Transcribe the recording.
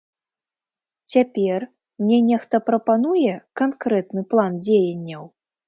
Цяпер мне нехта прапануе канкрэтны план дзеянняў?